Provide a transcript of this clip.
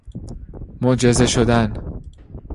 معجزه شدن